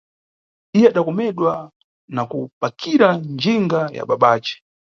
Iye adakomedwa na kupakira njinga ya babace.